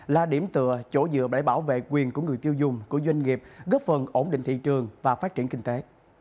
là điểm tựa chỗ dựa để bảo vệ quyền của người tiêu dùng của doanh nghiệp góp phần ổn định thị trường và phát triển kinh tế